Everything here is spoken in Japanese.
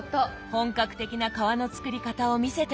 本格的な皮の作り方を見せてもらいました。